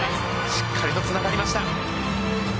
しっかりとつながりました！